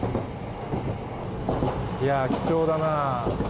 いやー、貴重だな。